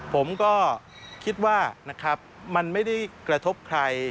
ผมก็คิดว่านะครับมันไม่ได้กระทบใคร